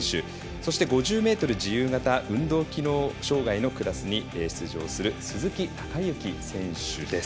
そして、５０ｍ自由形運動機能障がいのクラスに出場する鈴木孝幸選手です。